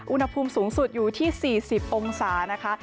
อุณหภูมิสูงสุดอยู่ที่๔๐องศานะคะ